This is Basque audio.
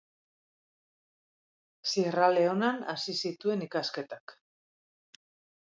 Sierra Leonan hasi zituen ikasketak.